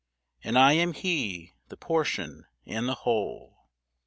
And I am He, the portion and the Whole.